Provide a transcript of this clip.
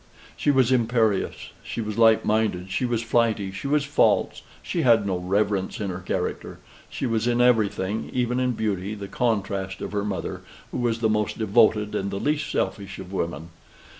She was imperious, she was light minded, she was flighty, she was false, she had no reverence in her character; she was in everything, even in beauty, the contrast of her mother, who was the most devoted and the least selfish of women.